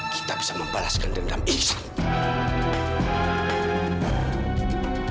kita bisa membalaskan dendam istri